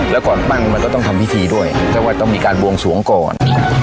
แล้วก่อนตั้งมันก็ต้องทำพิธีด้วยถ้าว่าต้องมีการบวงสวงก่อน